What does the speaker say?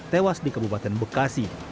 tewas di kebupaten bekasi